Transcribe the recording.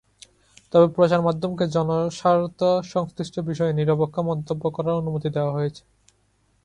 তবে প্রচার মাধ্যমকে "জনস্বার্থ সংশ্লিষ্ট বিষয়ে নিরপেক্ষ মন্তব্য" করার অনুমতি দেওয়া হয়েছে।